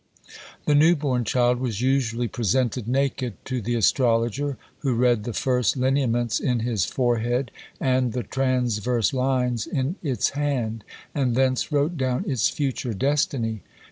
The new born child was usually presented naked to the astrologer, who read the first lineaments in his forehead, and the transverse lines in its hand, and thence wrote down its future destiny.